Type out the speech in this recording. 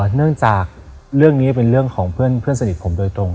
เนื่องจากเรื่องนี้เป็นเรื่องของเพื่อนสนิทผมโดยตรง